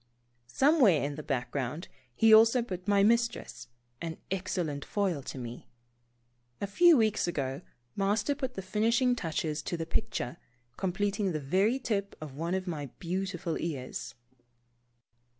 Somewhere in the background he also put my mistress, an excellent foil to me. A few weeks ago Master put the finishing touches to the picture, completing the very tip of one of my beautiful ears.